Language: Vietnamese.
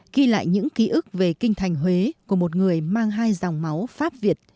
ghi lại những ký ức về kinh thành huế của một người mang hai dòng máu pháp việt